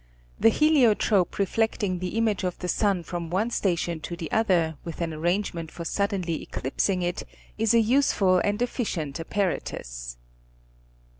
The heliotrope reflecting the image of the sun from one station to the other with an arrangement for suddenly eclipsing it, is a useful and efficient apparatus.